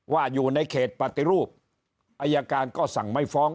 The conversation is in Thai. อยู่ในเขตปฏิรูปอายการก็สั่งไม่ฟ้อง